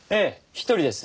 １人です。